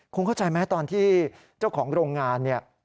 คุณเข้าใจไหมตอนที่เจ้าของโรงงานเนี่ย